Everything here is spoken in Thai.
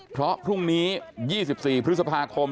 เพราะพรุ่งนี้๒๔พฤษภาคม